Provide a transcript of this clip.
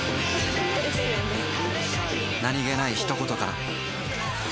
何気ない一言から